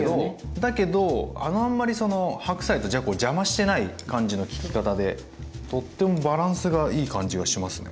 だけどあんまりその白菜とじゃこを邪魔してない感じの効き方でとってもバランスがいい感じがしますね。